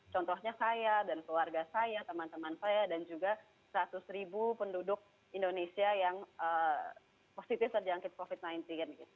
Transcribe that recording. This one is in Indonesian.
contohnya saya dan keluarga saya teman teman saya dan juga seratus ribu penduduk indonesia yang positif terjangkit covid sembilan belas